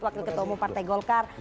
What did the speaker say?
wakil ketua partai golkar